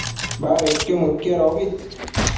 badedquio mëquiadobi